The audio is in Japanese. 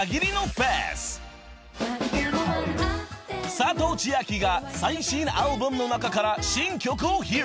［佐藤千亜妃が最新アルバムの中から新曲を披露。